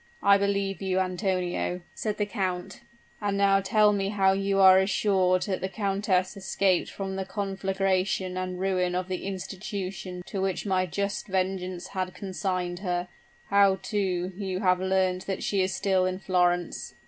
"I believe you, Antonio," said the count: "and now tell me how you are assured that the countess escaped from the conflagration and ruin of the institution to which my just vengeance had consigned her how, too, you have learnt that she is still in Florence."